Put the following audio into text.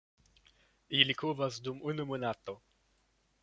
Ili kovas dum unu monato.